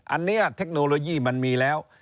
อันนี้เทคโนโลยีมันมีแล้ว